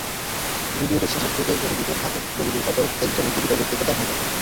ভিডিওটির শেষের দিকে জঙ্গিদের হাতে বন্দী অপর একজন জীবিত ব্যক্তিকে দেখা যায়।